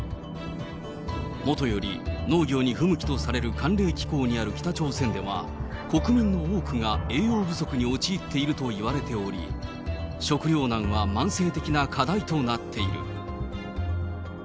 もとより農業に不向きとされる寒冷気候にある北朝鮮では、国民の多くが栄養不足に陥っているといわれており、食糧難は慢性的な課題となっている。